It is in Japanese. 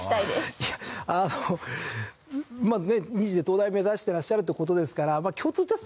いやあの２次で東大目指してらっしゃるという事ですから共通テスト